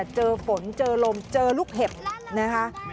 เจอฝนเจอลมเจอลูกเห็บนะคะ